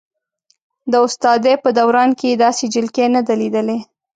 د استادۍ په دوران کې یې داسې جلکۍ نه ده لیدلې.